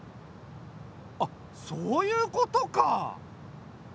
あっそういうことか！